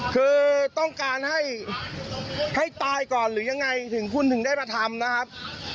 คือต้องการให้ให้ตายก่อนหรือยังไงถึงคุณถึงได้มาทำนะครับ